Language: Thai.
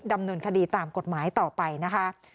ดำเนินคดีตามกฎหมายต่อไปนะคะ